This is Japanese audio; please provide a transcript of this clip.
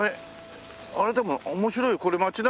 あれでも面白いこれ街中。